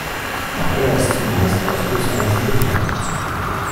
Auch er ist zumeist aus Gusseisen gefertigt.